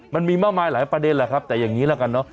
มันมีมากมายหลายประเด็นแหละครับแต่อย่างนี้ละกันเนอะ